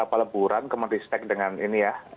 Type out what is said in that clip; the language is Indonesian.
peleburan kemenristek dengan ini ya